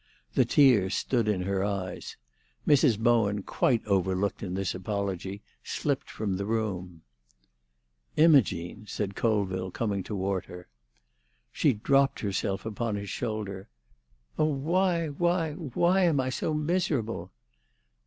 The tears stood in her eyes. Mrs. Bowen, quite overlooked in this apology, slipped from the room. "Imogene!" said Colville, coming toward her. She dropped herself upon his shoulder. "Oh, why, why, why am I so miserable?"